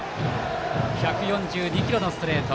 １４２キロのストレート。